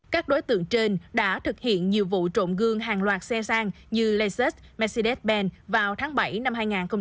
các đối tượng trên đã thực hiện nhiều vụ trộm gương hàng loạt xe sang như laset mercedes bent vào tháng bảy năm hai nghìn hai mươi ba